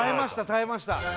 耐えました